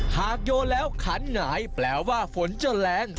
โยนแล้วขันหงายแปลว่าฝนจะแรง